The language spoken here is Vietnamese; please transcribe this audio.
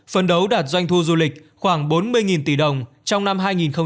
phấn đấu đạt doanh thu du lịch khoảng bốn mươi tỷ đồng trong năm hai nghìn hai mươi